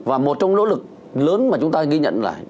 và một trong nỗ lực lớn mà chúng ta ghi nhận là